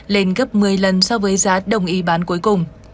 lên gấp một mươi lần so với giá đồng ý bán cuối cùng